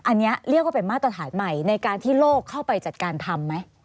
อันนี้เรียกว่าเป็นมาตรฐานใหม่ในการที่โลกเข้าไปจัดการทำไหม